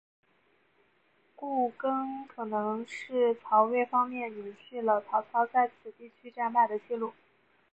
故更可能是曹魏方面隐去了曹操在此地区战败的记录。